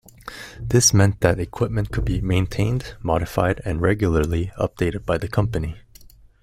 This meant that equipment could be maintained, modified, and regularly updated by the company.